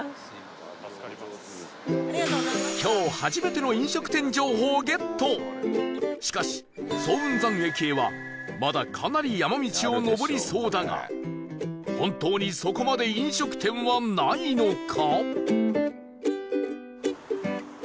今日しかし早雲山駅へはまだかなり山道を上りそうだが本当にそこまで飲食店はないのか？